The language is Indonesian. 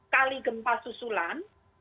sepuluh kali gempa susulan